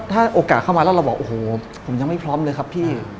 ถ้าโอกาสเข้ามาแล้วเราบอกโอ้โหผมยังไม่พร้อมเลยครับพี่